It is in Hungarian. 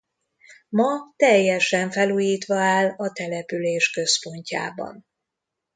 Ma teljesen felújítva áll a település központjában.